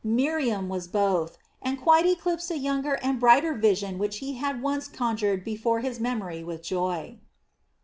Miriam was both, and quite eclipsed a younger and brighter vision which he had once conjured before his memory with joy.